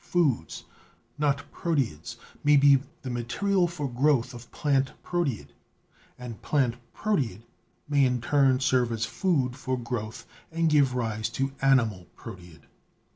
foods not proteids may be the material for growth of plant proteid, and plant proteid may in turn serve as food for growth and give rise to animal proteid.